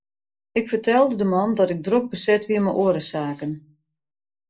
Ik fertelde de man dat ik drok beset wie mei oare saken.